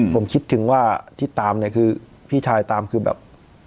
ผมคิดถึงว่าที่ตามเนี่ยคือพี่ชายตามคือแบบ